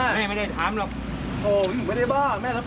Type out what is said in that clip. แม่ก็ให้โอกาสแม่ก็ไล่ออกไปจะไปเช่าห้องอยู่แล้วค่ะแม่